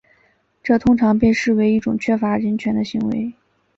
这通常被视为是一种缺乏人权的作为。